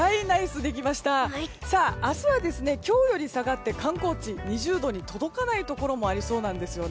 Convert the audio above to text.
明日は今日より下がって観光地２０度に届かないところもありそうなんですよ。